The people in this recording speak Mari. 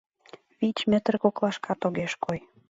Вич метр коклашкат огеш кой.